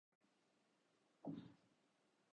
ساری زندگی رزق حلال کمانے والے